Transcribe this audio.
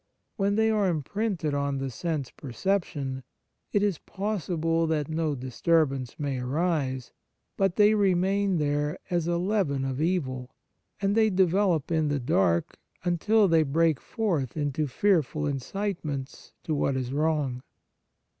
When they are imprinted on the sense perception, it is possible that no disturbance may arise ; but they remain there as a leaven of evil, and they develop in the dark, until they break forth into fearful incitements to what is wrong.